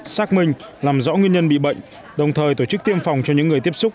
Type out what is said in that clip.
xác minh làm rõ nguyên nhân bị bệnh đồng thời tổ chức tiêm phòng cho những người tiếp xúc